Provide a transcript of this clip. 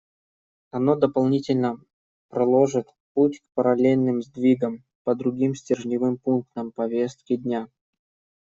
Оно дополнительно проложит путь к параллельным сдвигам по другим стержневым пунктам повестки дня.